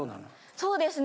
そうですね